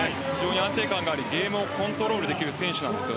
安定感があるゲームをコントロールできる選手です。